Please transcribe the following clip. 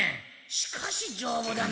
しかしじょうぶだな。